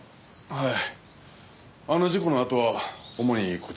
はい。